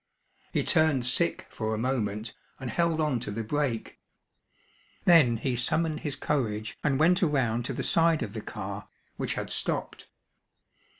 He turned sick for a moment, and held on to the brake. Then he summoned his courage and went around to the side of the car, which had stopped.